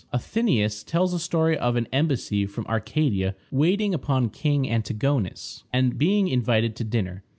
Athenæus tells a story of an embassy from Arcadia waiting upon King Antigonus, and being invited to dinner.